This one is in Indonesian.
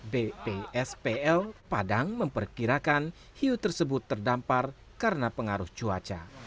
bpspl padang memperkirakan hiu tersebut terdampar karena pengaruh cuaca